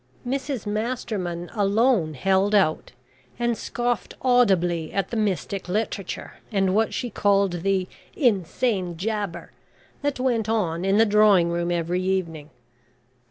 Mrs Masterman alone held out, and scoffed audibly at the mystic literature, and what she called the "insane jabber" that went on in the drawing room every evening.